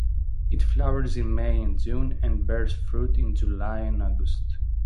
It flowers in May and June and bears fruit in July and August.